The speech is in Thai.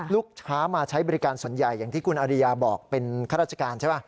ลูกค้ามาใช้บริการส่วนใหญ่อย่างที่คุณอริยาบอกเป็นข้าราชการใช่ป่ะ